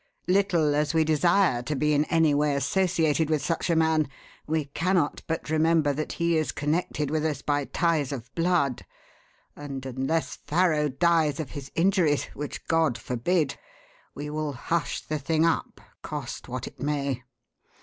Little as we desire to be in any way associated with such a man, we cannot but remember that he is connected with us by ties of blood, and unless Farrow dies of his injuries which God forbid! we will hush the thing up, cost what it may.